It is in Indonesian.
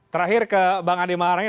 terakhir ke bang adi maharangeng